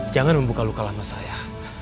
jangan membuka luka lama saya